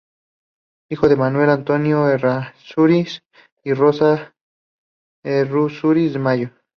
Hijo de Manuel Antonio Errázuriz y de Rosa Errázuriz Mayo.